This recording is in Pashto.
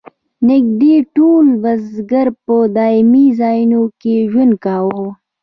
نږدې ټول بزګر په دایمي ځایونو کې ژوند کاوه.